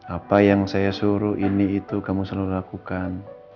apa yang saya suruh ini itu kamu selalu lakukan